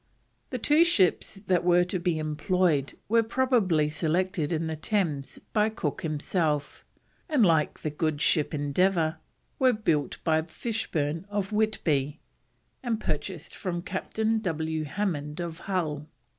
The two ships that were to be employed were probably selected in the Thames by Cook himself, and, like the good ship Endeavour, were built by Fishburn of Whitby, and purchased from Captain W. Hammond of Hull.